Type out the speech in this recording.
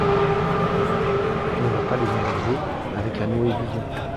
Ne va pas les emmerder avec la noévision.